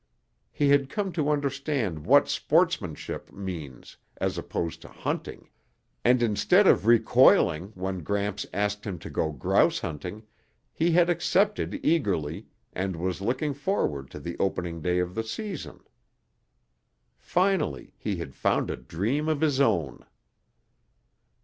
He had come to understand what sportsmanship means as opposed to hunting, and instead of recoiling when Gramps asked him to go grouse hunting, he had accepted eagerly and was looking forward to the opening day of the season. Finally, he had found a dream of his own.